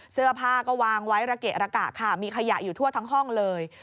เสื้อผ้าก็วางไว้ระเกะระกะค่ะมีขยะอยู่ทั่วทั้งห้องเลย